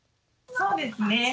そうですね。